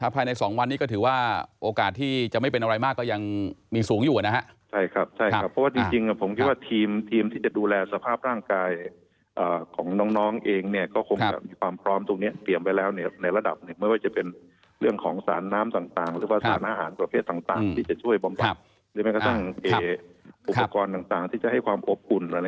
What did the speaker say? ภายใน๒วันนี้ก็ถือว่าโอกาสที่จะไม่เป็นอะไรมากก็ยังมีสูงอยู่นะครับ